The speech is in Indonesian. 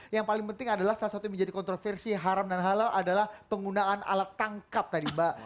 yang paling penting adalah salah satu yang menjadi kontroversi haram dan halal adalah penggunaan alat tangkap tadi mbak